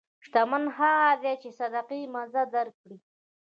شتمن هغه دی چې د صدقې مزه درک کړي.